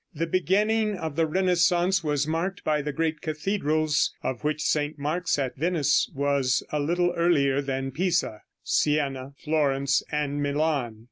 The beginning of the Renaissance was marked by the great cathedrals, of which St. Mark's at Venice was a little earlier than Pisa, Siena, Florence and Milan.